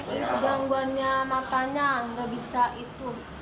itu gangguannya matanya nggak bisa itu